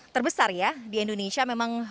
terbesar ya di indonesia memang